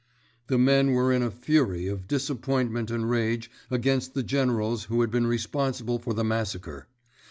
The men were in a fury of disappointment and rage against the generals who had been responsible for the massacre.